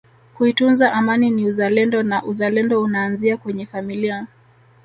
kuitunza Amani ni uzalendo na uzalendo unaanzia kwenye familia